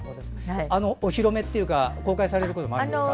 お披露目というか公開されることもあるんですか？